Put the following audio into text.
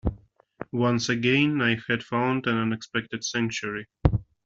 Once again I had found an unexpected sanctuary.